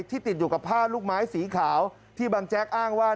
ติดอยู่กับผ้าลูกไม้สีขาวที่บางแจ๊กอ้างว่า